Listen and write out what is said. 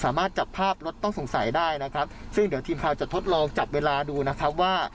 สามารถจับภาพรถต้องสงสัยได้นะครับซึ่งเดี๋ยวทีมข่าวจะทดลองจับเวลาดูนะครับว่า